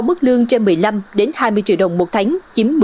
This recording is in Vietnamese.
mức lương trên một mươi triệu đồng trên một tháng chiếm hai mươi bốn chín